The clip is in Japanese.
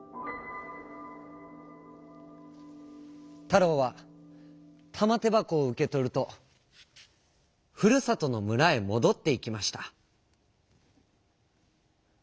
たろうはたまてばこをうけとるとふるさとのむらへもどっていきました。